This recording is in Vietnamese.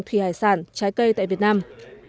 thủy hải sản trái cây tại việt nam